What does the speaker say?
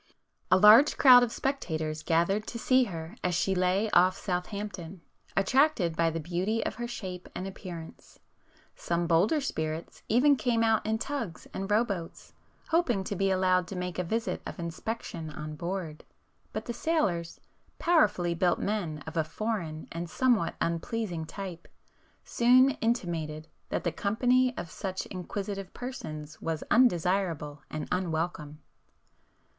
A large crowd of spectators gathered to see her as she lay off Southampton, attracted by the beauty of her shape and appearance,—some bolder spirits even came out in tugs and row boats, hoping to be allowed to make a visit of inspection on board, but the sailors, powerfully built men of a foreign and somewhat unpleasing type, soon intimated that the company of such inquisitive persons was undesirable and unwelcome.